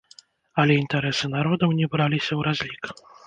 Але інтарэсы народаў не браліся ў разлік.